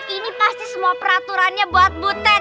ini pasti semua peraturannya buat butet